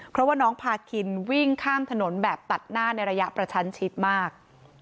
เพราะว่าน้องพาคินวิ่งข้ามถนนแบบตัดหน้าในระยะประชันชิดมาก